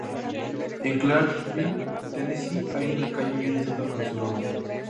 En Clarksville, Tennessee hay una calle y una estatua con su nombre.